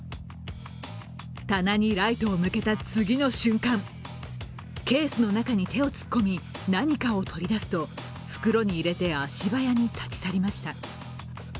棚にライトを向けた次の瞬間、ケースの中に手を突っ込み何かを取り出すと袋に入れて足早に立ち去りました。